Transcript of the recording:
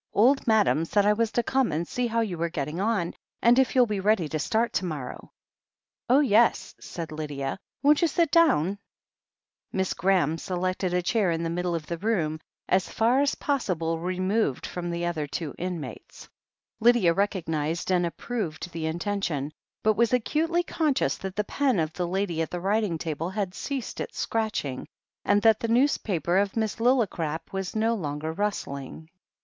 Old Madam said I was to come and see how you were getting on, and if you'll be ready to start to morrow." "Oh, yes," said Lydia. "Won't you sit down?" Ill I 112 THE HEEL OF ACHILLES Miss Graham selected a chair in the middle of the room, as far as possible removed from the other two imnates. Lydia recognized and approved the intention, but was acutely conscious that the pen of the lady at the writing table had ceased its scratching, and that the newspaper of Miss Lillicrap was no longer rustling.